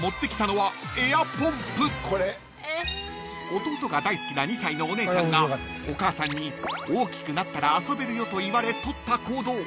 ［弟が大好きな２歳のお姉ちゃんがお母さんに大きくなったら遊べるよと言われ取った行動］